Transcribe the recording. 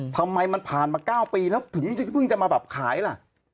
ทำไมมันผ่านมา๙ปีแล้วถึงจะมาขายล่ะ